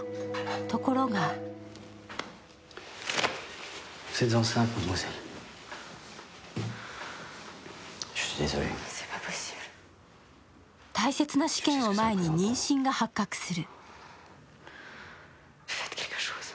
ところが大切な試験を前に妊娠が発覚する。